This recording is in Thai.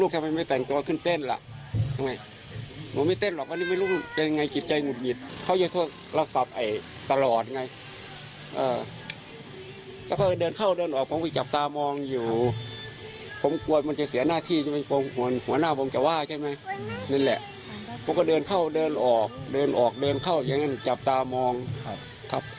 หัวหน้าผมจะว่าใช่มั้ยนี่แหละผมก็เดินเข้าเดินออกเดินออกเดินเข้าอย่างนั้นจับตามองครับ